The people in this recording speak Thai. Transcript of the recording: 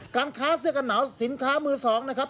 การค้าเสื้อกันหนาวสินค้ามือสองนะครับ